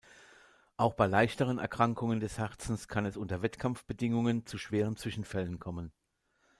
Auch bei leichteren Erkrankungen des Herzens kann es unter Wettkampfbedingungen zu schweren Zwischenfällen kommen.